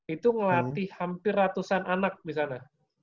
itu ngelatih hampir ratusan anak di sana